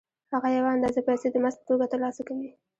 هغه یوه اندازه پیسې د مزد په توګه ترلاسه کوي